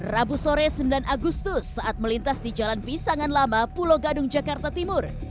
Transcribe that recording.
rabu sore sembilan agustus saat melintas di jalan pisangan lama pulau gadung jakarta timur